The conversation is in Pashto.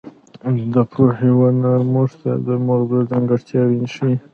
د پوهې ونه موږ ته د مغزو ځانګړتیاوې ښيي.